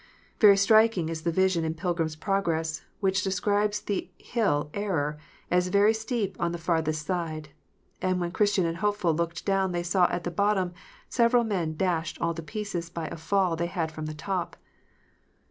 Very striking is the vision in Pilgrim s Progress, which describes the hill Error as " very steep on the farthest side ;" and " when Christian and Hopeful looked down they saw at the bottom several men dashed all to pieces by a fall they had from the top."